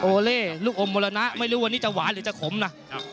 โอเล่ลูกอมหมดแล้วนะไม่รู้ว่าวันนี้จะหวานหรือจะขมนะ